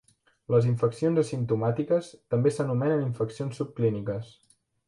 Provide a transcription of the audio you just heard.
Les infeccions asimptomàtiques també s'anomenen infeccions subclíniques.